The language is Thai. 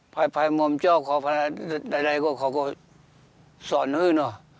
ภายมมเจ้าขอภาระใดก็สอนขึ้น